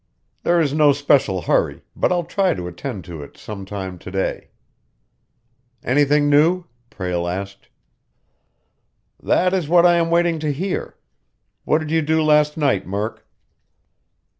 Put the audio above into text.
There is no special hurry, but I'll try to attend to it some time to day." "Anything new?" Prale asked. "That is what I am waiting to hear. What did you do last night, Murk?"